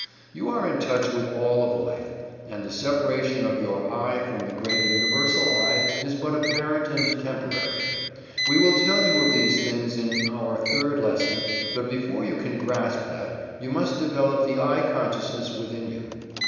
You are in touch with all of life, and the separation of your "I" from the great Universal "I" is but apparent and temporary. We will tell you of these things in our Third Lesson, but before you can grasp that you must develop the "I" consciousness within you.